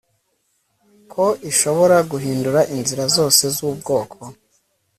ko ishobora guhindura inzira zose zubwoko